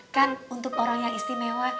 kan untuk orang yang istimewa